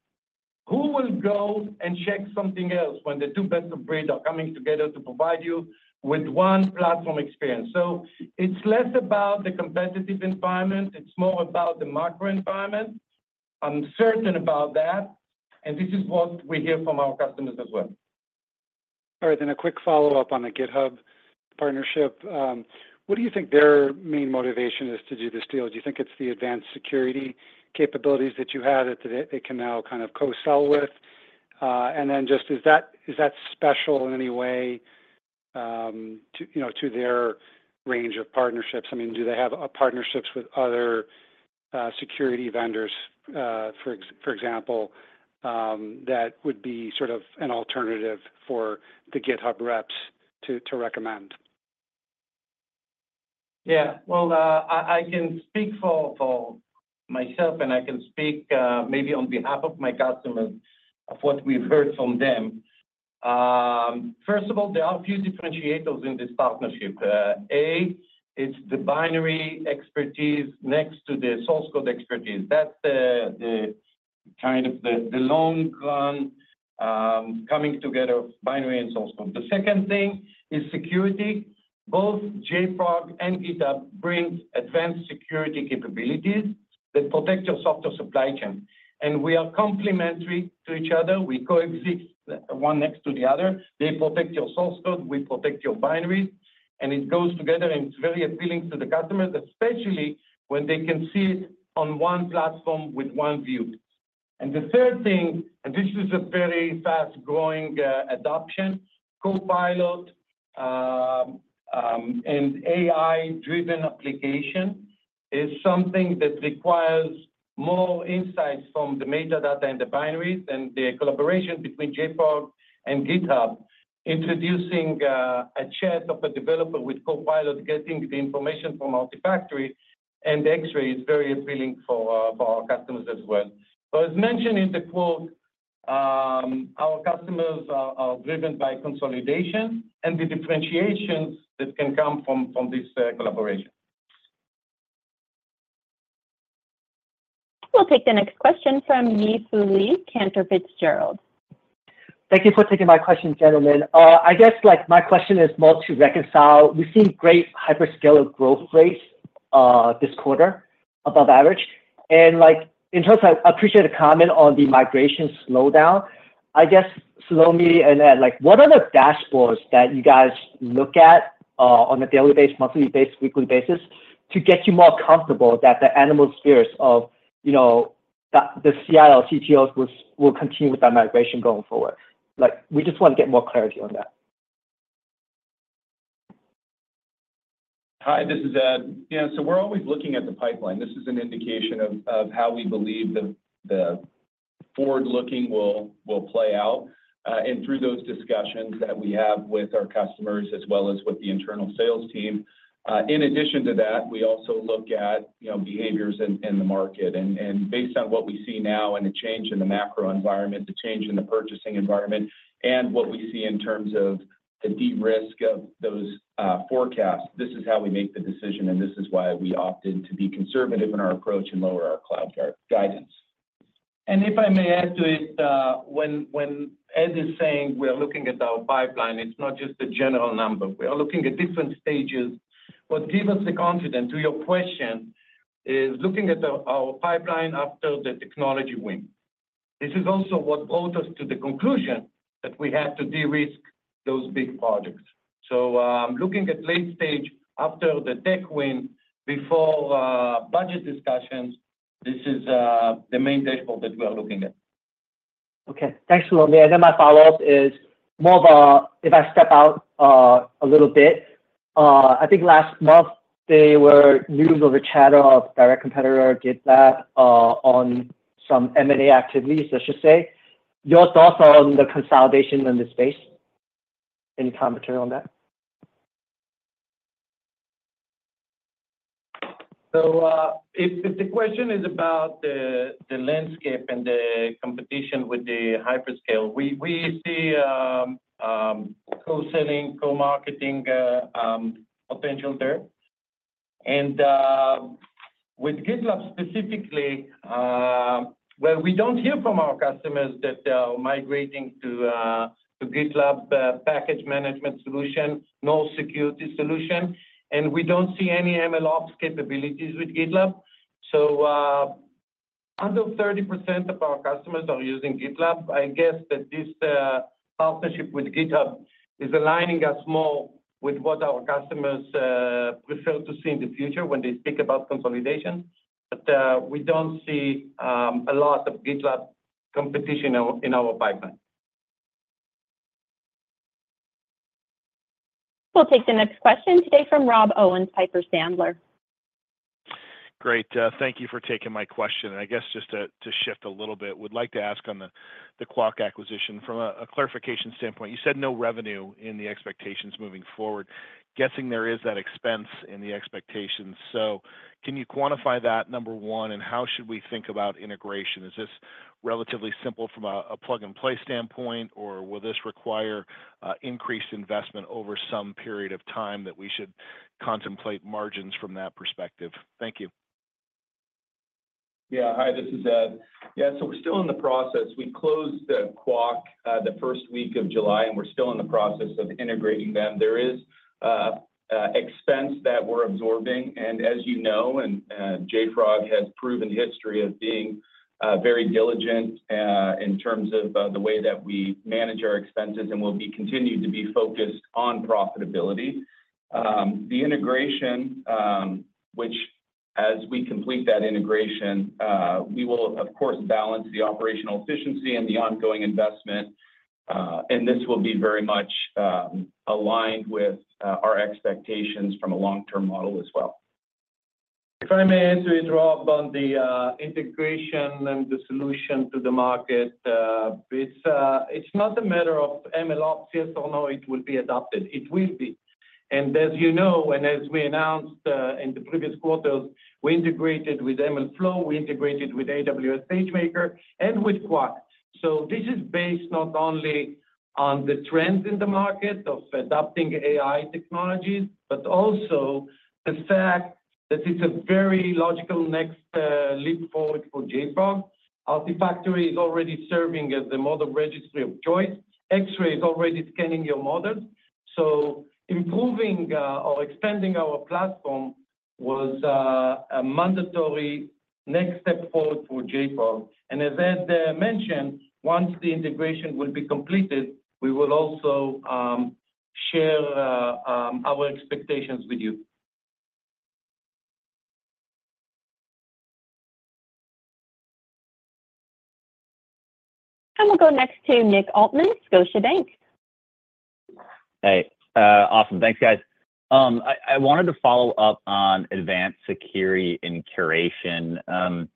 Who will go and check something else when the two best of breed are coming together to provide you with one platform experience? So it's less about the competitive environment. It's more about the macro environment. I'm certain about that. And this is what we hear from our customers as well. All right. And a quick follow-up on the GitHub partnership. What do you think their main motivation is to do this deal? Do you think it's the Advanced Security capabilities that you had that they can now kind of co-sell with? And then just is that special in any way to their range of partnerships? I mean, do they have partnerships with other security vendors, for example, that would be sort of an alternative for the GitHub reps to recommend? Yeah. Well, I can speak for myself, and I can speak maybe on behalf of my customers of what we've heard from them. First of all, there are a few differentiators in this partnership. A, it's the binary expertise next to the source code expertise. That's kind of the long run coming together of binary and source code. The second thing is security. Both JFrog and GitHub bring Advanced Security capabilities that protect your software supply chain. And we are complementary to each other. We coexist one next to the other. They protect your source code. We protect your binaries. And it goes together, and it's very appealing to the customers, especially when they can see it on one platform with one view. The third thing, and this is a very fast-growing adoption, Copilot and AI-driven application is something that requires more insights from the metadata and the binaries and the collaboration between JFrog and GitHub. Introducing a chat of a developer with Copilot getting the information from Artifactory and Xray is very appealing for our customers as well. As mentioned in the quote, our customers are driven by consolidation and the differentiations that can come from this collaboration. We'll take the next question from Yi Fu Lee, Cantor Fitzgerald. Thank you for taking my question, gentlemen. I guess my question is more to reconcile. We've seen great hyperscale growth rates this quarter above average. And in terms of, I appreciate the comment on the migration slowdown. I guess, Shlomi and Ed, what are the dashboards that you guys look at on a daily basis, monthly basis, weekly basis to get you more comfortable that the animal spirits of the CIOs, CTOs will continue with that migration going forward? We just want to get more clarity on that. Hi, this is Ed. Yeah, so we're always looking at the pipeline. This is an indication of how we believe the forward-looking will play out and through those discussions that we have with our customers as well as with the internal sales team. In addition to that, we also look at behaviors in the market. Based on what we see now and the change in the macro environment, the change in the purchasing environment, and what we see in terms of the de-risk of those forecasts, this is how we make the decision, and this is why we opted to be conservative in our approach and lower our cloud guidance. If I may add to it, when Ed is saying we're looking at our pipeline, it's not just a general number. We are looking at different stages. What gave us the confidence to your question is looking at our pipeline after the technology win. This is also what brought us to the conclusion that we had to de-risk those big projects. Looking at late stage after the tech win before budget discussions, this is the main dashboard that we are looking at. Okay. Thanks, Shlomi. Then my follow-up is more of a if I step out a little bit. I think last month, there were news of a chatter of direct competitor GitLab on some M&A activities, I should say. Your thoughts on the consolidation in this space? Any commentary on that? So if the question is about the landscape and the competition with the hyperscale, we see co-selling, co-marketing potential there. With GitLab specifically, well, we don't hear from our customers that they're migrating to GitLab package management solution, no security solution. We don't see any MLOps capabilities with GitLab. Under 30% of our customers are using GitLab. I guess that this partnership with GitHub is aligning us more with what our customers prefer to see in the future when they speak about consolidation. But we don't see a lot of GitLab competition in our pipeline. We'll take the next question today from Rob Owens, Piper Sandler. Great. Thank you for taking my question. And I guess just to shift a little bit, we'd like to ask on the Qwak acquisition. From a clarification standpoint, you said no revenue in the expectations moving forward. Guessing there is that expense in the expectations. So can you quantify that, number one, and how should we think about integration? Is this relatively simple from a plug-and-play standpoint, or will this require increased investment over some period of time that we should contemplate margins from that perspective? Thank you. Yeah. Hi, this is Ed. Yeah, so we're still in the process. We closed the deal the first week of July, and we're still in the process of integrating them. There is expense that we're absorbing. As you know, JFrog has proven history of being very diligent in terms of the way that we manage our expenses, and we'll continue to be focused on profitability. The integration, which, as we complete that integration, we will, of course, balance the operational efficiency and the ongoing investment. This will be very much aligned with our expectations from a long-term model as well. If I may answer it, Rob, on the integration and the solution to the market, it's not a matter of MLOps yes or no. It will be adopted. It will be. And as you know, and as we announced in the previous quarters, we integrated with MLflow, we integrated with AWS SageMaker, and with Qwak. So this is based not only on the trends in the market of adopting AI technologies, but also the fact that it's a very logical next leap forward for JFrog. Artifactory is already serving as the model registry of choice. Xray is already scanning your models. So improving or expanding our platform was a mandatory next step forward for JFrog. And as Ed mentioned, once the integration will be completed, we will also share our expectations with you. We'll go next to Nick Altmann, Scotiabank. Hey. Awesome. Thanks, guys. I wanted to follow up on Advanced Security and Curation.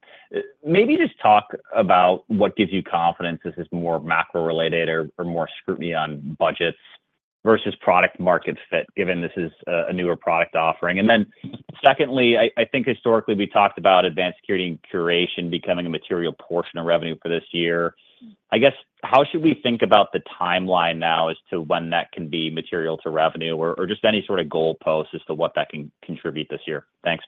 Maybe just talk about what gives you confidence this is more macro-related or more scrutiny on budgets versus product-market fit, given this is a newer product offering. And then secondly, I think historically we talked about Advanced Security and Curation becoming a material portion of revenue for this year. I guess, how should we think about the timeline now as to when that can be material to revenue or just any sort of goalposts as to what that can contribute this year? Thanks.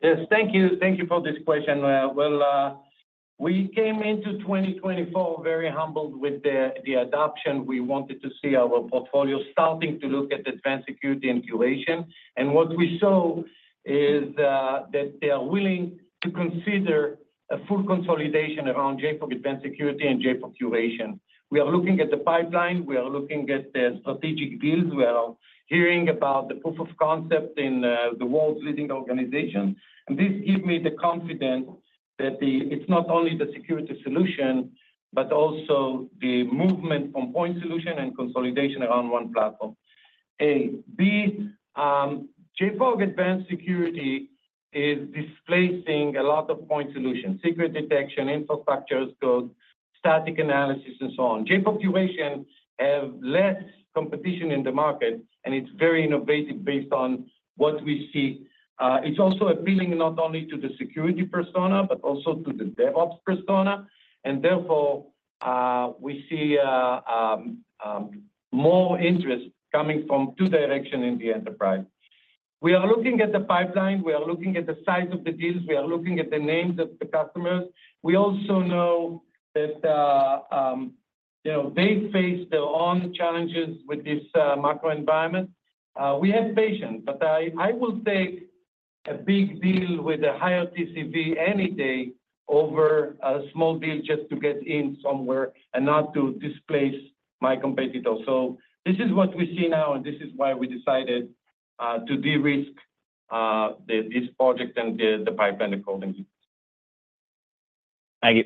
Yes. Thank you. Thank you for this question. Well, we came into 2024 very humbled with the adoption. We wanted to see our portfolio starting to look at Advanced Security and Curation. What we saw is that they are willing to consider a full consolidation around JFrog Advanced Security and JFrog Curation. We are looking at the pipeline. We are looking at the strategic deals. We are hearing about the proof of concept in the world's leading organizations. This gives me the confidence that it's not only the security solution, but also the movement from point solution and consolidation around one platform. A. B, JFrog Advanced Security is displacing a lot of point solutions, secret detection, infrastructure as code, static analysis, and so on. JFrog Curation has less competition in the market, and it's very innovative based on what we see. It's also appealing not only to the security persona, but also to the DevOps persona. Therefore, we see more interest coming from two directions in the enterprise. We are looking at the pipeline. We are looking at the size of the deals. We are looking at the names of the customers. We also know that they face their own challenges with this macro environment. We have patience, but I will take a big deal with a higher TCV any day over a small deal just to get in somewhere and not to displace my competitors. This is what we see now, and this is why we decided to de-risk this project and the pipeline accordingly. Thank you.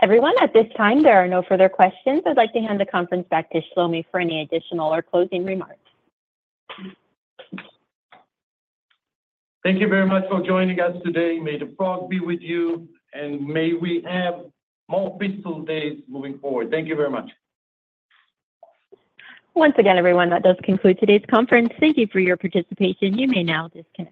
Everyone, at this time, there are no further questions. I'd like to hand the conference back to Shlomi for any additional or closing remarks. Thank you very much for joining us today. May the JFrog be with you, and may we have more peaceful days moving forward. Thank you very much. Once again, everyone, that does conclude today's conference. Thank you for your participation. You may now disconnect.